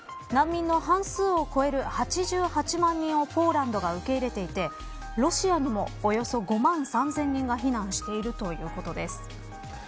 難民の半数を超える８８万人をポーランドが受け入れていてロシアにもおよそ５万３０００人が避難しているということです。